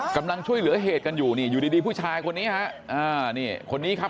กำลังช่วยเหลือเหตุกันอยู่อยู่ดีผู้ชายคนนี้ครับ